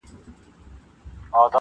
په عین و شین و قاف کي هغه ټوله جنتونه,